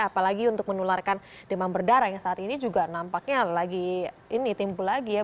apalagi untuk menularkan demam berdarah yang saat ini juga nampaknya lagi ini timbul lagi ya